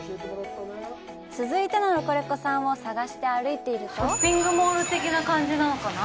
続いてのロコレコさんを探して歩いているとショッピングモール的な感じなのかな？